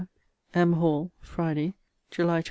M. HALL, FRIDAY, JULY 21.